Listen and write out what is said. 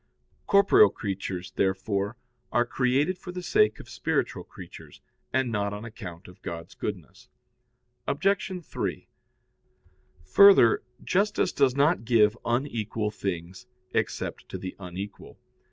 Corporeal creatures, therefore, are created for the sake of spiritual creatures, and not on account of God's goodness. Obj. 3: Further, justice does not give unequal things except to the unequal.